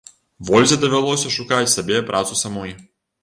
Вользе давялося шукаць сабе працу самой.